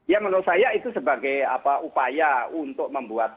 ya menurut saya itu sebagai upaya untuk membuat